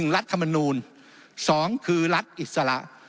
๑รัฐธรรมนูญ๒รัฐอิสระ